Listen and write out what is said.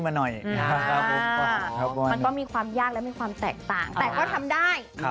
มันก็มีความยากและมีความแตกต่างแต่ก็ทำได้